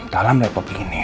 dalam laptop ini